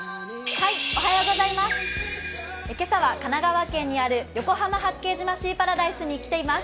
今朝は神奈川県にある横浜・八景島シーパラダイスに来ています。